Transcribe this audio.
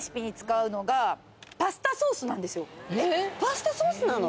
パスタソースなの⁉